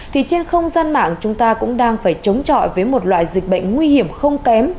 thì trên không gian mạng chúng ta cũng đang phải chống chọi với một loại dịch bệnh nguy hiểm không kém